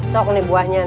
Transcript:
sok nih buahnya nih